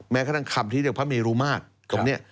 แม้กระทั่งคำที่เรียกพระเมรุมาตรตรงนี้